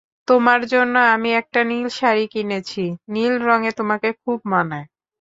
তোমার জন্য আমি একটা নীল শাড়ি কিনেছি, নীল রঙে তোমাকে খুব মানায়।